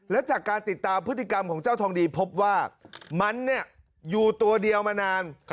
และจากการติดตามพฤติกรรมของเจ้าทองดีพบว่ามันอยู่ตัวเดียวมานาน